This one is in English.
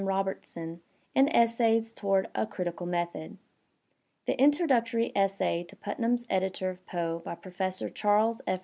Robertson in "Essays Toward a Critical Method." The introductory essay to Putnam*s edition of Poe by Professor Charles F.